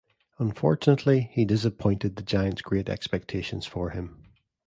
Unfortunately, he disappointed the Giants' great expectations for him.